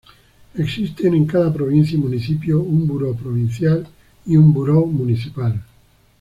Existen en cada provincia y municipio un Buró Provincial y un Buró Municipal.